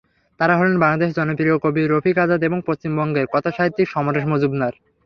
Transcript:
তাঁরা হলেন বাংলাদেশের জনপ্রিয় কবি রফিক আজাদ এবং পশ্চিমবঙ্গের কথাসাহিত্যিক সমরেশ মজুমদার।